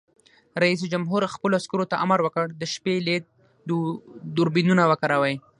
رئیس جمهور خپلو عسکرو ته امر وکړ؛ د شپې لید دوربینونه وکاروئ!